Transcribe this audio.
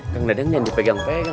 kang dadeng jangan dipegang pegang